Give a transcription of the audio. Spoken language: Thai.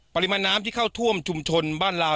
ปริมาณน้ำที่เข้าท่วมชุมชนบ้านเรา